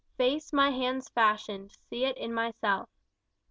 Face my hands fashioned, see it in myself!